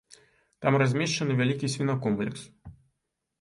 Там размешчаны вялікі свінакомплекс.